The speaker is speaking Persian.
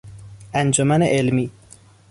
انجمن علمی